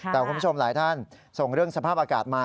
แต่คุณผู้ชมหลายท่านส่งเรื่องสภาพอากาศมา